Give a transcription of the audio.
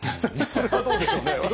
それはどうでしょうね。